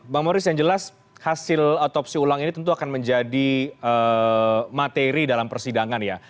bang moris yang jelas hasil otopsi ulang ini tentu akan menjadi materi dalam persidangan ya